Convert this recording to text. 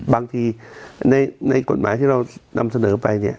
บางทีในกฎหมายที่เรานำเสนอไปเนี่ย